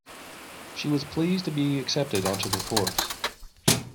She was pleased to be accepted onto the course